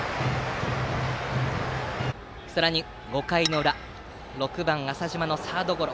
さらに、５回の裏６番、浅嶋のサードゴロ。